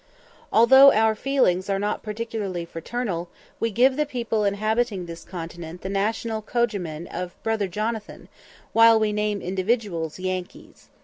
Although our feelings are not particularly fraternal, we give the people inhabiting this continent the national cognomen of "Brother Jonathan," while we name individuals "Yankees."